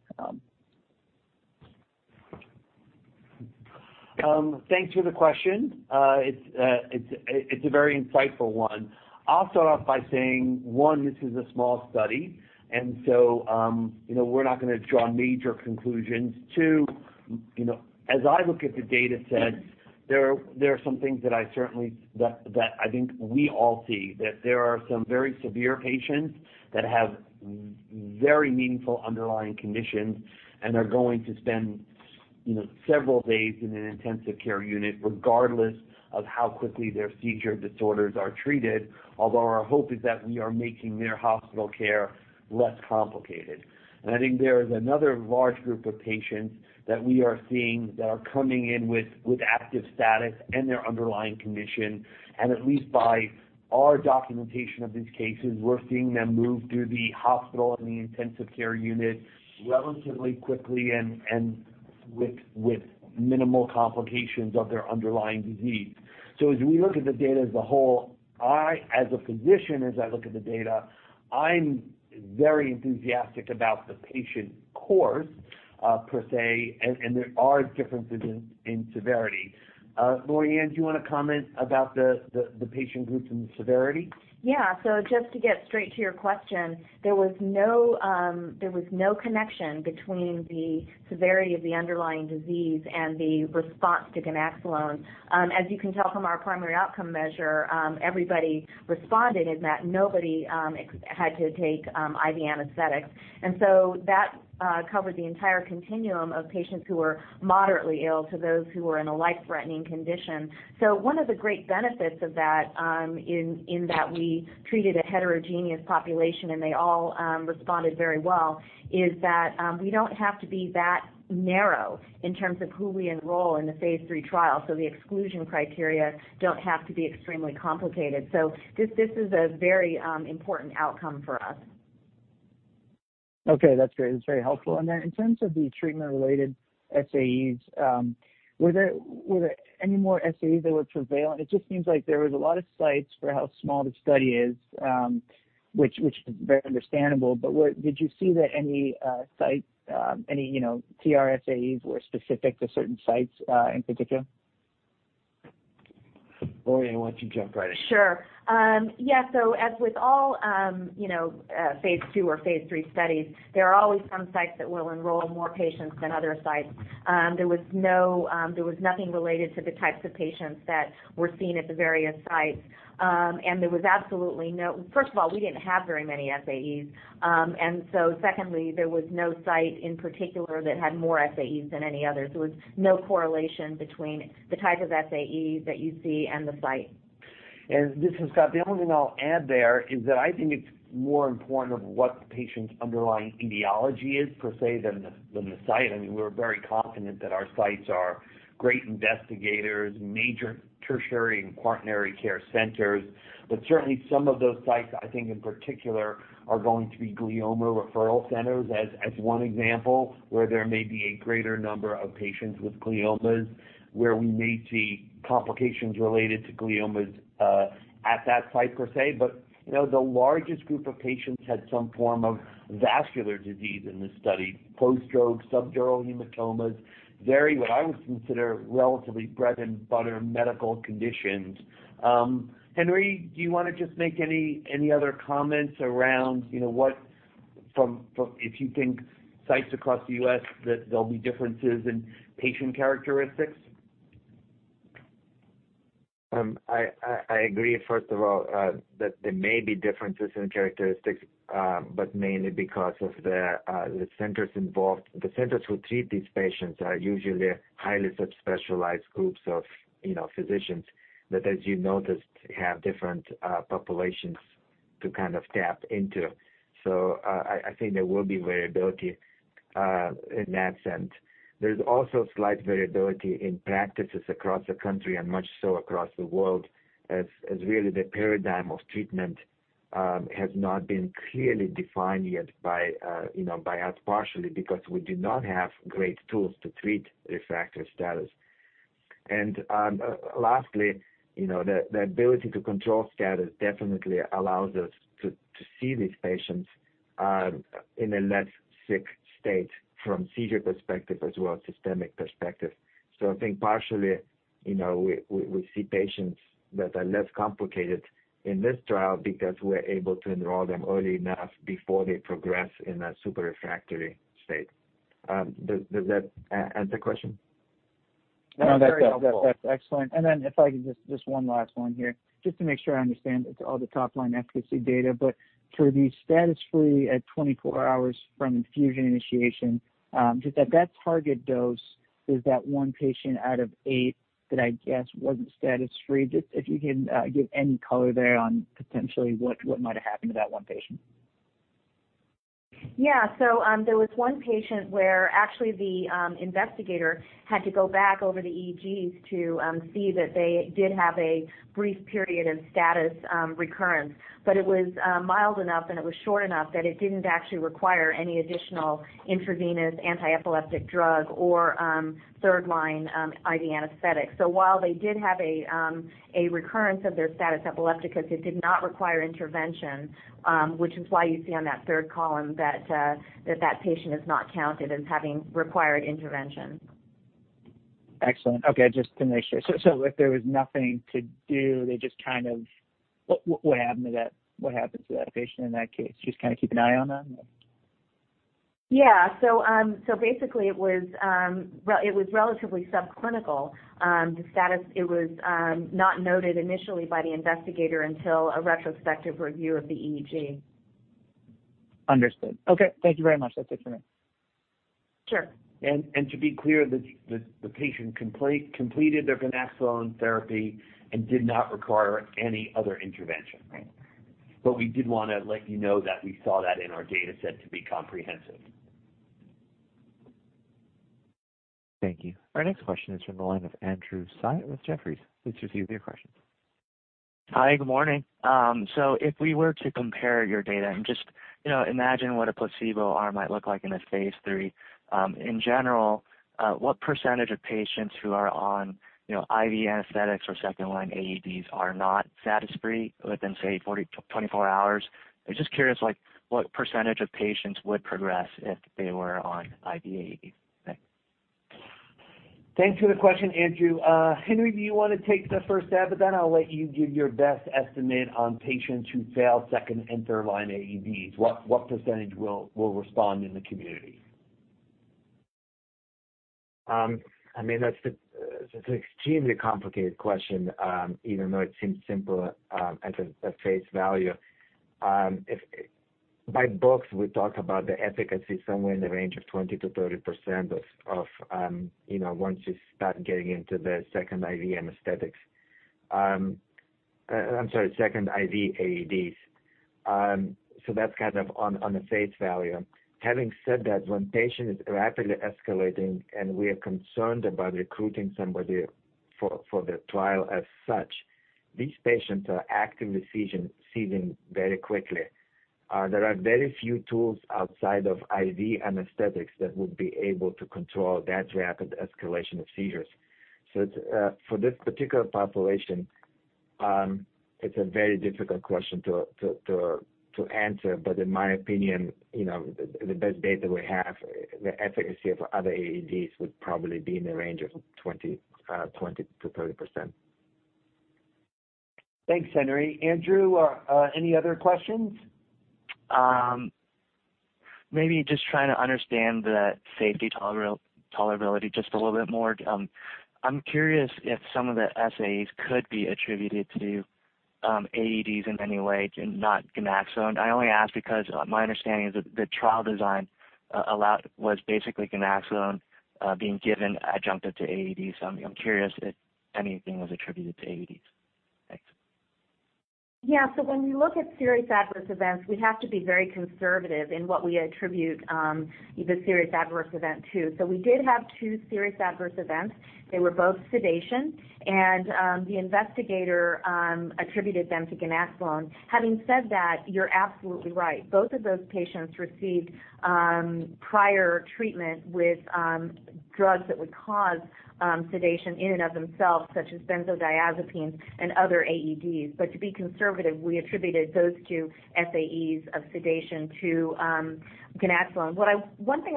Thanks for the question. It's a very insightful one. I'll start off by saying, one, this is a small study, we're not going to draw major conclusions. Two, as I look at the data sets, there are some things that I think we all see. That there are some very severe patients that have very meaningful underlying conditions and are going to spend several days in an intensive care unit regardless of how quickly their seizure disorders are treated. Although our hope is that we are making their hospital care less complicated. I think there is another large group of patients that we are seeing that are coming in with active status and their underlying condition. At least by our documentation of these cases, we're seeing them move through the hospital and the intensive care unit relatively quickly and with minimal complications of their underlying disease. As we look at the data as a whole, I, as a physician, as I look at the data, I'm very enthusiastic about the patient course per se, and there are differences in severity. Lorianne, do you want to comment about the patient groups and the severity? Just to get straight to your question, there was no connection between the severity of the underlying disease and the response to ganaxolone. As you can tell from our primary outcome measure, everybody responded in that nobody had to take IV anesthetics. That covered the entire continuum of patients who were moderately ill to those who were in a life-threatening condition. One of the great benefits of that, in that we treated a heterogeneous population and they all responded very well, is that we don't have to be that narrow in terms of who we enroll in the phase III trial. The exclusion criteria don't have to be extremely complicated. This is a very important outcome for us. Okay, that's great. That's very helpful. In terms of the treatment-related SAEs, were there any more SAEs that were prevalent? It just seems like there was a lot of sites for how small the study is, which is very understandable, did you see that any TRSAEs were specific to certain sites in particular? Lorianne, why don't you jump right in? Sure. Yeah. As with all phase II or phase III studies, there are always some sites that will enroll more patients than other sites. There was nothing related to the types of patients that were seen at the various sites. First of all, we didn't have very many SAEs. Secondly, there was no site in particular that had more SAEs than any others. There was no correlation between the type of SAEs that you see and the site. This is Scott. The only thing I'll add there is that I think it's more important of what the patient's underlying etiology is, per se, than the site. We're very confident that our sites are great investigators, major tertiary and quaternary care centers. Certainly, some of those sites, I think in particular, are going to be glioma referral centers as one example, where there may be a greater number of patients with gliomas, where we may see complications related to gliomas at that site, per se. The largest group of patients had some form of vascular disease in this study, post-stroke, subdural hematomas, very what I would consider relatively bread-and-butter medical conditions. Henry, do you want to just make any other comments around if you think sites across the U.S. that there'll be differences in patient characteristics? I agree, first of all, that there may be differences in characteristics, but mainly because of the centers involved. The centers who treat these patients are usually highly subspecialized groups of physicians that, as you noticed, have different populations to tap into. I think there will be variability in that sense. There's also slight variability in practices across the country and much so across the world as really the paradigm of treatment has not been clearly defined yet by us, partially because we do not have great tools to treat refractory status. Lastly, the ability to control status definitely allows us to see these patients in a less sick state from seizure perspective as well as systemic perspective. I think partially, we see patients that are less complicated in this trial because we're able to enroll them early enough before they progress in a super refractory state. Does that answer your question? That's very helpful. No, that's excellent. If I could, just one last one here, just to make sure I understand it's all the top-line efficacy data. For the status free at 24 hours from infusion initiation, just at that target dose, is that one patient out of eight that I guess wasn't status free? If you can give any color there on potentially what might have happened to that one patient. There was one patient where actually the investigator had to go back over the EEGs to see that they did have a brief period of status recurrence, but it was mild enough and it was short enough that it didn't actually require any additional intravenous anti-epileptic drug or third-line IV anesthetic. While they did have a recurrence of their status epilepticus, it did not require intervention, which is why you see on that third column that that patient is not counted as having required intervention. Excellent. Okay. Just to make sure. If there was nothing to do, what happened to that patient in that case? Just kind of keep an eye on them? Yeah. Basically, it was relatively subclinical. The status was not noted initially by the investigator until a retrospective review of the EEG. Understood. Okay. Thank you very much. That's it for me. Sure. To be clear, the patient completed their ganaxolone therapy and did not require any other intervention. Right. We did want to let you know that we saw that in our data set to be comprehensive. Thank you. Our next question is from the line of Andrew Tsai with Jefferies. Please proceed with your question. Hi. Good morning. If we were to compare your data and just imagine what a placebo arm might look like in a phase III. In general, what % of patients who are on IV anesthetics or second-line AEDs are not status free within, say, 24 hours? I'm just curious what % of patients would progress if they were on IV AED. Thanks. Thanks for the question, Andrew. Henry, do you want to take the first stab at that? I'll let you give your best estimate on patients who fail second and third-line AEDs. What percentage will respond in the community? That's an extremely complicated question, even though it seems simple at face value. By books, we talk about the efficacy somewhere in the range of 20%-30% once you start getting into the second IV anesthetics. I'm sorry, second IV AEDs. That's kind of on the face value. Having said that, when patient is rapidly escalating and we are concerned about recruiting somebody for the trial as such, these patients are actively seizing very quickly. There are very few tools outside of IV anesthetics that would be able to control that rapid escalation of seizures. For this particular population, it's a very difficult question to answer. In my opinion, the best data we have, the efficacy of other AEDs would probably be in the range of 20%-30%. Thanks, Henry. Andrew, any other questions? Maybe just trying to understand the safety tolerability just a little bit more. I'm curious if some of the SAEs could be attributed to AEDs in any way, not ganaxolone. I only ask because my understanding is that the trial design was basically ganaxolone being given adjunctive to AEDs. I'm curious if anything was attributed to AEDs. Thanks. When we look at serious adverse events, we have to be very conservative in what we attribute the serious adverse event to. We did have two serious adverse events. They were both sedation, the investigator attributed them to ganaxolone. Having said that, you're absolutely right. Both of those patients received prior treatment with drugs that would cause sedation in and of themselves, such as benzodiazepines and other AEDs. To be conservative, we attributed those two SAEs of sedation to ganaxolone. One thing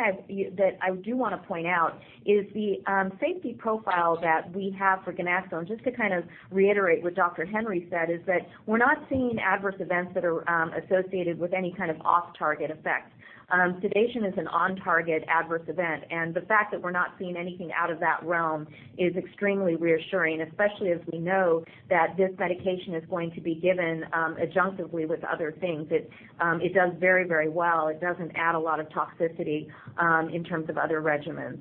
that I do want to point out is the safety profile that we have for ganaxolone, just to kind of reiterate what Dr. Henry said, is that we're not seeing adverse events that are associated with any kind of off-target effect. Sedation is an on-target adverse event, and the fact that we're not seeing anything out of that realm is extremely reassuring, especially as we know that this medication is going to be given adjunctively with other things. It does very well. It doesn't add a lot of toxicity in terms of other regimens.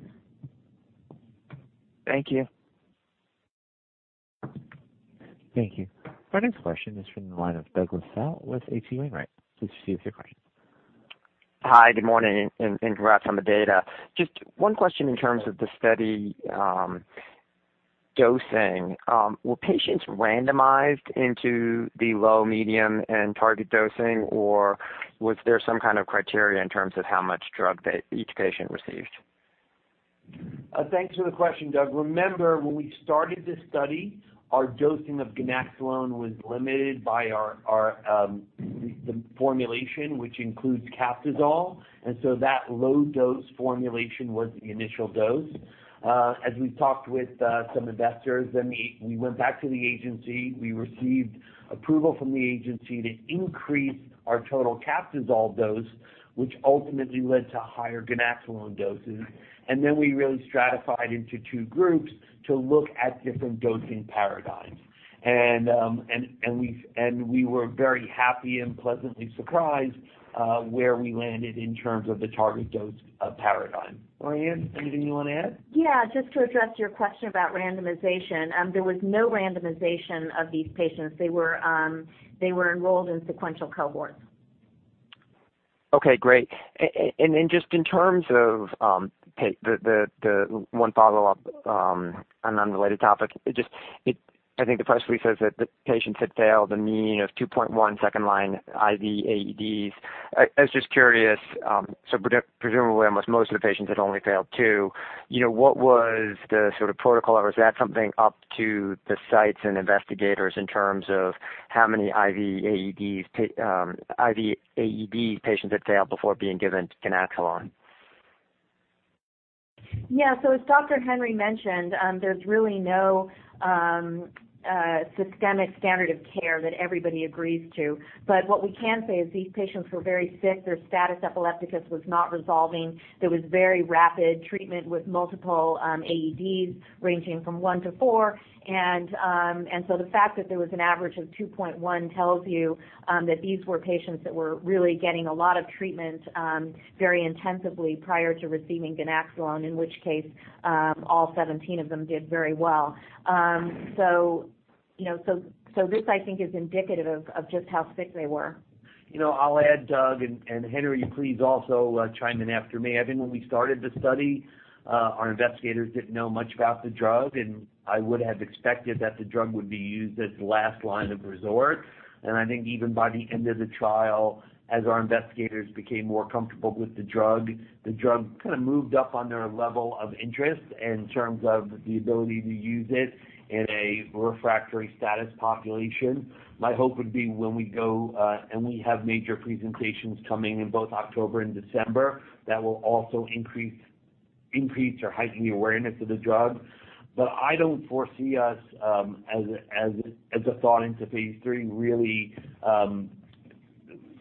Thank you. Thank you. Our next question is from the line of Douglas Bell with H.C. Wainwright. Please proceed with your question. Hi, good morning, and congrats on the data. Just one question in terms of the study dosing. Were patients randomized into the low, medium, and target dosing, or was there some kind of criteria in terms of how much drug each patient received? Thanks for the question, Doug. Remember when we started this study, our dosing of ganaxolone was limited by the formulation, which includes Captisol, and so that low-dose formulation was the initial dose. As we talked with some investors, we went back to the agency. We received approval from the agency to increase our total Captisol dose, which ultimately led to higher ganaxolone doses. We really stratified into two groups to look at different dosing paradigms. We were very happy and pleasantly surprised where we landed in terms of the target dose paradigm. Lorianne, anything you want to add? Yeah, just to address your question about randomization. There was no randomization of these patients. They were enrolled in sequential cohorts. Okay, great. Just in terms of the one follow-up on an unrelated topic. I think the press release says that the patients had failed a mean of 2.1 2nd line IV AEDs. I was just curious, presumably almost most of the patients had only failed two. What was the protocol, or was that something up to the sites and investigators in terms of how many IV AED patients had failed before being given ganaxolone? As Dr. Henry mentioned, there's really no systemic standard of care that everybody agrees to. What we can say is these patients were very sick. Their status epilepticus was not resolving. There was very rapid treatment with multiple AEDs ranging from one to four. The fact that there was an average of 2.1 tells you that these were patients that were really getting a lot of treatment very intensively prior to receiving ganaxolone, in which case, all 17 of them did very well. This, I think, is indicative of just how sick they were. I'll add, Doug, and Henry, you please also chime in after me. I think when we started the study, our investigators didn't know much about the drug, and I would have expected that the drug would be used as the last line of resort. I think even by the end of the trial, as our investigators became more comfortable with the drug, the drug kind of moved up on their level of interest in terms of the ability to use it in a refractory status population. My hope would be when we have major presentations coming in both October and December, that will also increase or heighten the awareness of the drug. I don't foresee us, as a thought into phase III, really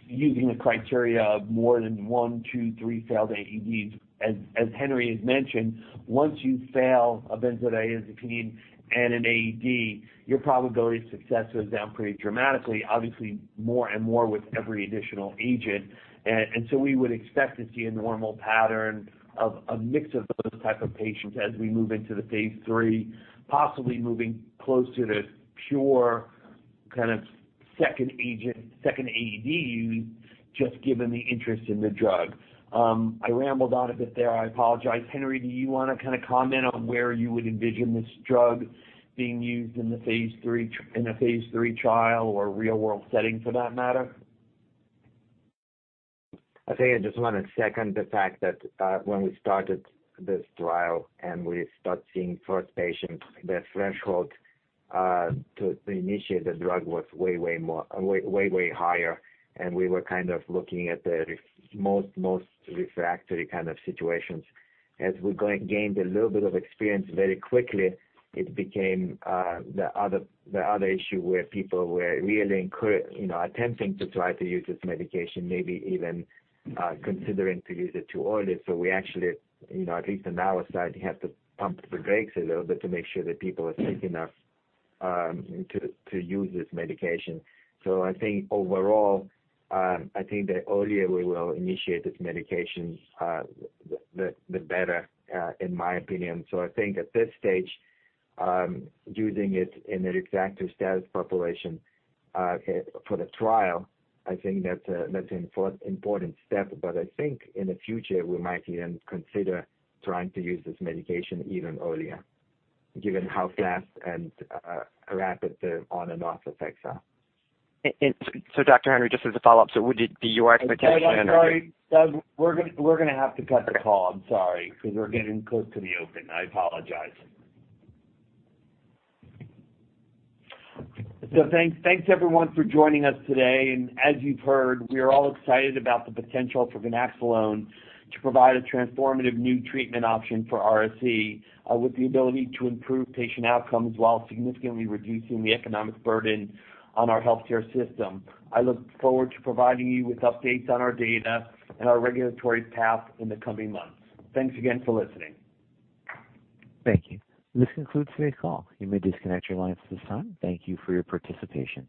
using a criteria of more than one, two, three failed AEDs. As Henry has mentioned, once you fail a benzodiazepine and an AED, your probability of success goes down pretty dramatically, obviously more and more with every additional agent. We would expect to see a normal pattern of a mix of those type of patients as we move into the phase III, possibly moving closer to pure second agent, second AED use, just given the interest in the drug. I rambled on a bit there. I apologize. Henry, do you want to comment on where you would envision this drug being used in a phase III trial or real-world setting for that matter? I think I just want to second the fact that when we started this trial, and we start seeing first patient, the threshold to initiate the drug was way higher, and we were kind of looking at the most refractory kind of situations. As we gained a little bit of experience, very quickly, it became the other issue where people were really attempting to try to use this medication, maybe even considering to use it too early. We actually, at least on our side, had to pump the brakes a little bit to make sure that people are sick enough to use this medication. I think overall, I think the earlier we will initiate this medication, the better, in my opinion. I think at this stage, using it in a refractory status population for the trial, I think that's an important step. I think in the future, we might even consider trying to use this medication even earlier, given how fast and rapid the on and off effects are. Dr. Henry, just as a follow-up, would your expectation. I'm sorry, Doug. We're going to have to cut the call. I'm sorry, because we're getting close to the open. I apologize. Thanks everyone for joining us today, and as you've heard, we are all excited about the potential for ganaxolone to provide a transformative new treatment option for RSE with the ability to improve patient outcomes while significantly reducing the economic burden on our healthcare system. I look forward to providing you with updates on our data and our regulatory path in the coming months. Thanks again for listening. Thank you. This concludes today's call. You may disconnect your lines at this time. Thank you for your participation.